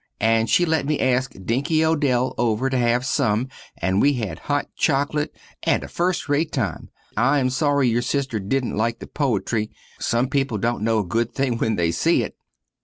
And she let me ask Dinky Odell over to have some and we had hot chocolate and a fust rate time. I am sorry your sister dident like the poitry. Some peeple dont no a good thing when they see it.